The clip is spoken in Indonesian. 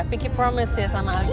pinky promise ya sama aldi ya